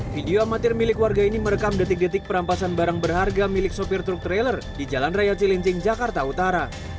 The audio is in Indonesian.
video amatir milik warga ini merekam detik detik perampasan barang berharga milik sopir truk trailer di jalan raya cilincing jakarta utara